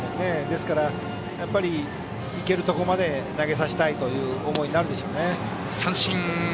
ですから、やっぱり行けるところまで投げさせたいという思いになるでしょうね。